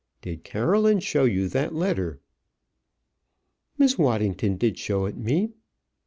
Did Caroline show you that letter?" "Miss Waddington did show it to me."